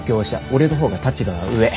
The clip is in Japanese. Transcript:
俺の方が立場は上。